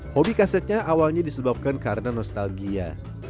hobi kasetnya awalnya disebabkan karena nostalgia